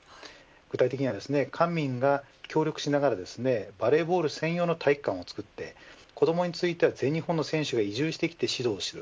具体的には、官民が協力しながらバレーボール専用の体育館を造って子どもについては全日本の選手が指導する。